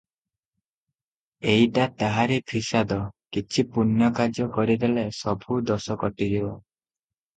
ଏଇଟା ତାହାରି ଫିସାଦ, କିଛି ପୁଣ୍ୟ କାର୍ଯ୍ୟ କରିଦେଲେ ସବୁ ଦୋଷ କଟିଯିବ ।